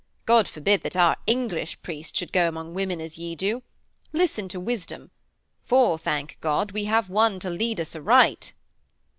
God forbid that our English priests should go among women as ye do. Listen to wisdom. For, thank God, we have one to lead us aright!'